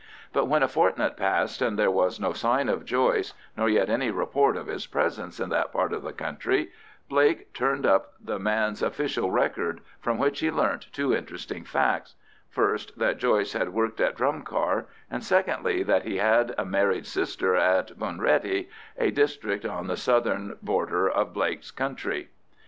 But when a fortnight passed and there was no sign of Joyce, nor yet any report of his presence in that part of the country, Blake turned up the man's official record, from which he learnt two interesting facts: first, that Joyce had worked at Drumcar; and, secondly, that he had a married sister in Bunrattey, a district on the southern border of Blake's country.